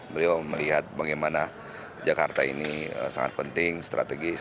beliau melihat bagaimana jakarta ini sangat penting strategis